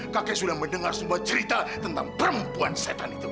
kakek sudah mendengar semua cerita tentang perempuan setan itu